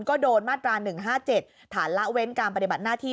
ก็โดนมาตรา๑๕๗ฐานละเว้นการปฏิบัติหน้าที่